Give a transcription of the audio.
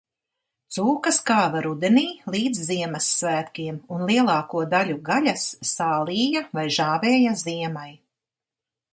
Cūkas kāva rudenī līdz Ziemassvētkiem, un lielāko daļu gaļas sālīja vai žāvēja ziemai.